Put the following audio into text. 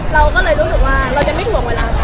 เราก็เลยรู้สึกว่าเราจะไม่ห่วงเวลา